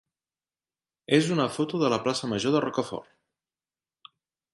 és una foto de la plaça major de Rocafort.